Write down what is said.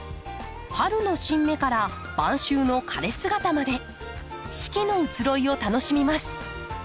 春の新芽から晩秋の枯れ姿まで四季の移ろいを楽しみます。